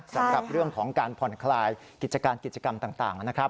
สำหรับเรื่องของการผ่อนคลายกิจการกิจกรรมต่างนะครับ